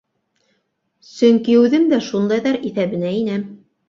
Сөнки үҙем дә шундайҙар иҫәбенә инәм.